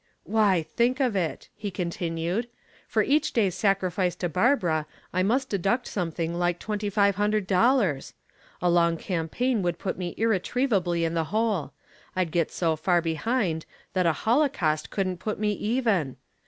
"Why, think of it," he continued. "For each day sacrificed to Barbara I must deduct something like twenty five hundred dollars. A long campaign would put me irretrievably in the hole; I'd get so far behind that a holocaust couldn't put me even.